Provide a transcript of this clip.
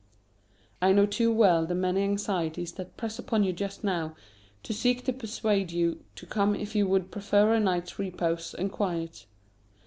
I know too well the many anxieties that press upon you just now to seek to persuade you to come if you would prefer a night's repose and quiet.